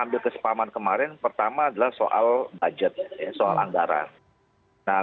ambil kesepaman kemarin pertama adalah soal budget soal anggaran